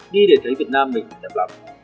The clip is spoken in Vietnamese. đi để thấy việt nam mình đẹp lắm